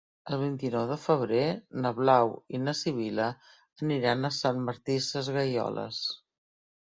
El vint-i-nou de febrer na Blau i na Sibil·la aniran a Sant Martí Sesgueioles.